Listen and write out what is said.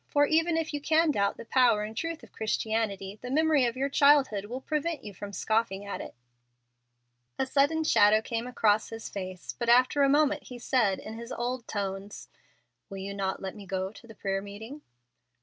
For, even if you can doubt the power and truth of Christianity, the memory of your childhood will prevent you from scoffing at it." A sudden shadow came across his face, but after a moment he said, in his old tones: "Will you not let me go to the prayer meeting?"